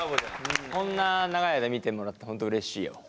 こんな長い間見てもらって本当うれしいよ。